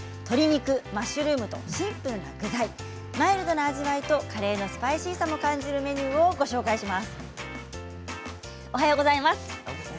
鶏肉マッシュルームとシンプルな具材マイルドな味わいとカレーのスパイシーさも感じるメニューをご紹介します。